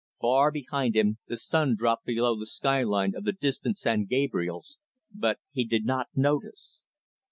Far behind him, the sun dropped below the sky line of the distant San Gabriels, but he did not notice.